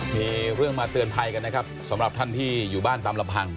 มีเรื่องมาเตือนภัยกันนะครับสำหรับท่านที่อยู่บ้านตามลำพัง